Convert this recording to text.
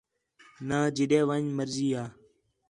نان جدے ون٘ڄ مرضی یا